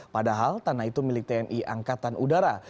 padahal tanah itu milik tni angkatan udara